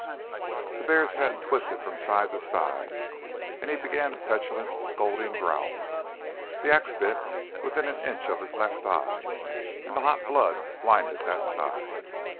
The bear's head twisted from side to side, and he began a petulant scolding growl. The axe bit within an inch of the left eye, and the hot blood blinded that side.